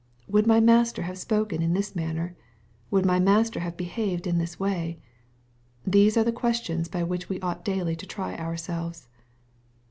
—" Would my Master have spoken in this manner ? Would my Master have be haved in this way ?"— These are the questions by which we ought daily to try ourselves.